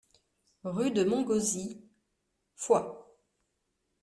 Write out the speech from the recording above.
Rue de Montgauzy, Foix